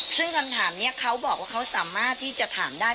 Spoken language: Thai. ซึ่งคำถามนี้เขาบอกว่าเขาสามารถที่จะถามได้